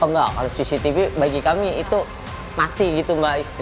oh enggak kalau cctv bagi kami itu mati gitu mbak isti